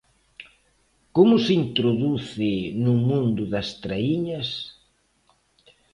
Como se introduce no mundo das traíñas?